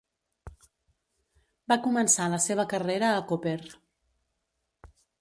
Va començar la seva carrera a Koper.